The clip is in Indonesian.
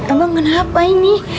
abang kenapa ini